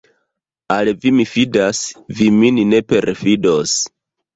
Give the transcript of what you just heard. Al vi mi fidas, vi min ne perfidos!